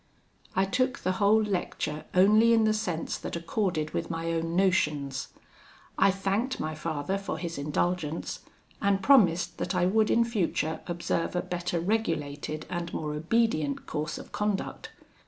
I took the whole lecture only in the sense that accorded with my own notions. I thanked my father for his indulgence, and promised that I would in future observe a better regulated and more obedient course of conduct.